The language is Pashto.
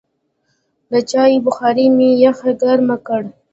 د چايو بخار مې مخ ګرم کړ.